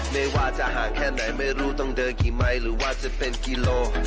ไม่ว่าจะห่างแค่ไหนไม่รู้ต้องเดินกี่ไมค์หรือว่าจะเป็นกิโล